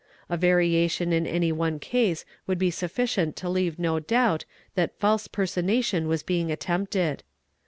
A variation in any one case would be sufficient to leave no doubt that false personation was being attempted.